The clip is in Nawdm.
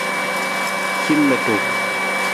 Hin ludu.